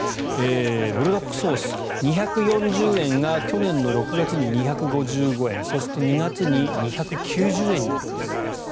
ブルドックソース２４０円が去年の６月に２５５円そして２月に２９０円になります。